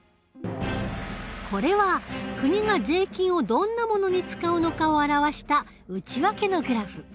これは国が税金をどんなものに使うのかを表した内訳のグラフ。